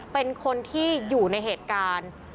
เป็นคนที่อยู่ในเหตุการณ์